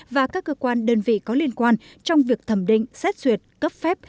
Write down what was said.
và các cơ quan đơn vị có liên quan trong việc thẩm định xét xuyệt cấp phép